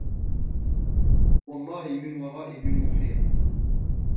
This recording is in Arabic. والله من ورائهم محيط